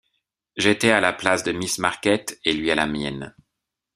j'étais à la place de Miss Marquet et lui à la mienne.